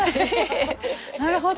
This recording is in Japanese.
なるほど。